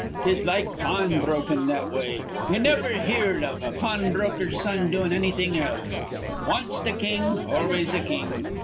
'Tis like pawn brokin' that way. Ye niver heerd iv a pawnbroker's son doin' annything else. Wanst a king, always a king.